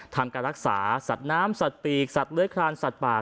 ทำการรักษาสัตว์น้ำสัตว์ปีกสัตว์เลื้อยคลานสัตว์ป่า